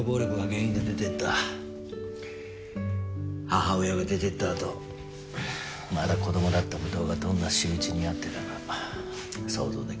母親が出てった後まだ子供だった武藤がどんな仕打ちに遭ってたか想像できるか？